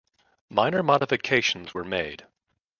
Minor modifications were made.